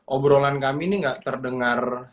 obrolan kami ini nggak terdengar